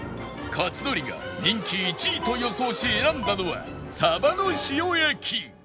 克典が人気１位と予想し選んだのはさばの塩焼